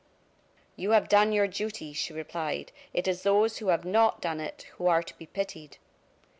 "You have done your duty," she replied; "it is those who have not done it, who are to be pitied!"